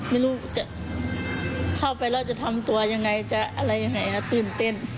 ไม่รู้จะเข้าไปแล้วจะทำตัวยังไงจะอะไรยังไงตื่นเต้น